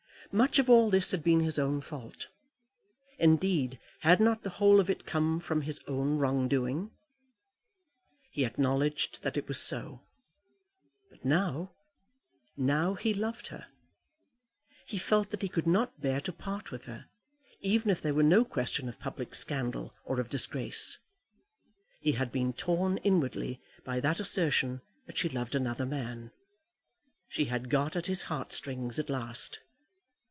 Much of all this had been his own fault. Indeed, had not the whole of it come from his own wrong doing? He acknowledged that it was so. But now, now he loved her. He felt that he could not bear to part with her, even if there were no question of public scandal, or of disgrace. He had been torn inwardly by that assertion that she loved another man. She had got at his heart strings at last.